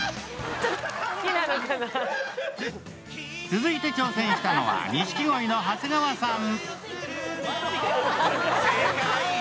続いて挑戦したのはニシキゴイの長谷川さん。